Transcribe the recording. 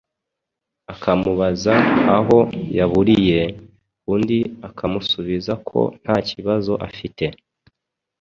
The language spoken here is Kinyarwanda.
akamubaza aho yaburiye, undi akamusubiza ko nta kibazo afite